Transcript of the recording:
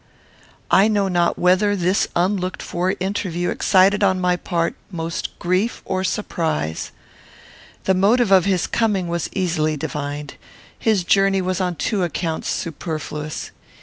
I know not whether this unlooked for interview excited on my part most grief or surprise. The motive of his coming was easily divined. His journey was on two accounts superfluous.